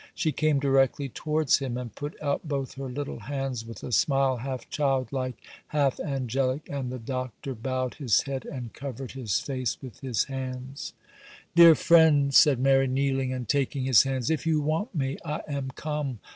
She came directly towards him, and put out both her little hands with a smile half child like, half angelic, and the Doctor bowed his head, and covered his face with his hands. 'Dear friend,' said Mary, kneeling, and taking his hands, 'if you want me, I am come.